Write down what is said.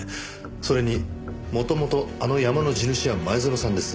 それにもともとあの山の地主は前園さんです。